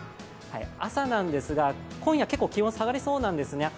朝なんですが、今夜結構気温が下がりそうなんですね。